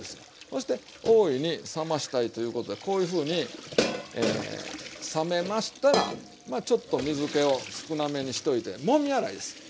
そして大いに冷ましたいということでこういうふうに冷めましたらまあちょっと水けを少なめにしといてもみ洗いする。